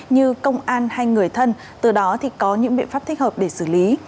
như công an hay người thân từ đó thì có những biện pháp thích hợp để xử lý